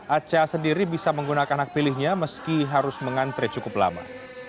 aca sendiri bisa menggunakan hak pilihnya meski harus mengantre cukup lama